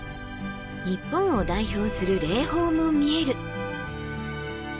日本を代表する霊峰も見える。